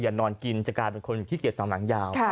อย่านอนกินจะกลายเป็นคนที่เกียจสามหลังยาว